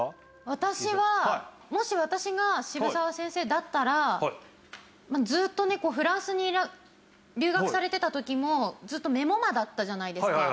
私はもし私が渋沢先生だったらずっとねフランスに留学されてた時もずっとメモ魔だったじゃないですか。